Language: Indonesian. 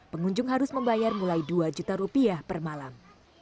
pengunjung harus membayar mulai dua juta rupiah per malam